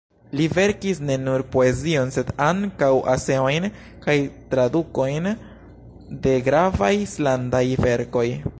Li verkis ne nur poezion sed ankaŭ eseojn kaj tradukojn de gravaj islandaj verkoj.